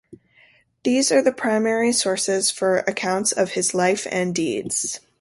These are the primary sources for accounts of his life and deeds.